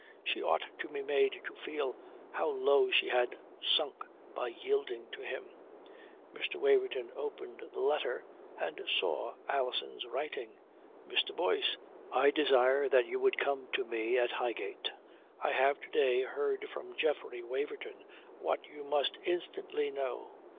She ought to be made to feel how low she had sunk by yielding to him. Mr. Waverton opened the letter and saw Alison's writing: "MR. BOYCE, I desire that you would come to me at Highgate. I have to day heard from Geoffrey Waverton what you must instantly know.